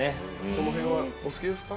その辺はお好きですか？